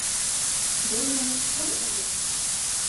— Бына, күр әле!